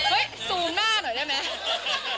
ซูมหน้าหน่อยได้ไหม